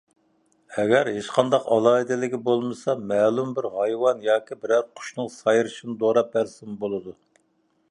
ئەگەر ھېچقانداق ئالاھىدىلىكى بولمىسا، مەلۇم بىر ھايۋان ياكى بىرەر قۇشنىڭ سايرىشىنى دوراپ بەرسىمۇ بولىدۇ.